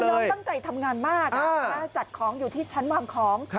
น้องตั้งใจทำงานมากจัดของอยู่ที่ชั้นวางของ